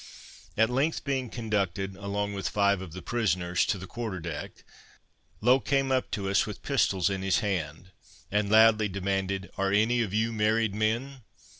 At length being conducted, along with five of the prisoners, to the quarter deck, Low came up to us with pistols in his hand, and loudly demanded, "Are any of you married men?"